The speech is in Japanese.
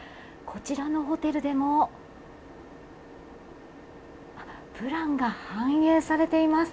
こちらのホテルでもプランが反映されています。